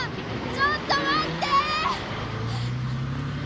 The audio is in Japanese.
ちょっとまって！